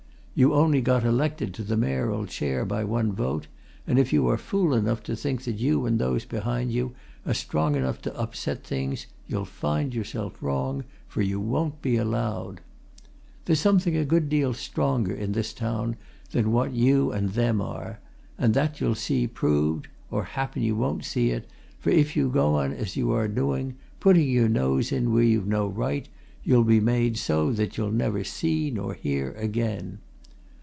You only got elected to the Mayoral chair by one vote, and if you are fool enough to think that you and those behind you are strong enough to upset things you'll find yourself wrong, for you won't be allowed. There's something a deal stronger in this town than what you and them are, and that you'll see proved or happen you won't see it, for if you go on as you are doing, putting your nose in where you've no right, you'll be made so that you'll never see nor hear again.